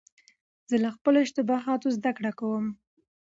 زه له خپلو اشتباهاتو زدهکړه کوم.